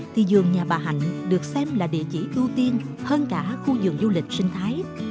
thì dường nhà bà hạnh được xem là địa chỉ ưu tiên hơn cả khu giường du lịch sinh thái